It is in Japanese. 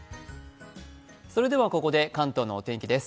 それではここで関東のお天気です。